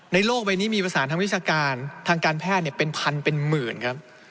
โลกใบนี้มีประสานทางวิชาการทางการแพทย์เป็นพันเป็นหมื่นครับ